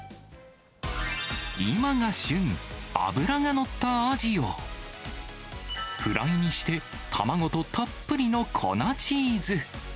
今が旬、脂が乗ったアジを、フライにして、卵とたっぷりの粉チーズ。